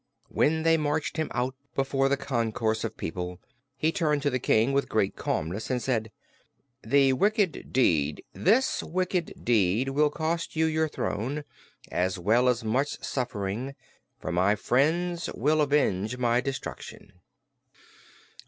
When they marched him out before the concourse of people he turned to the King with great calmness and said: "This wicked deed will cost you your throne, as well as much suffering, for my friends will avenge my destruction."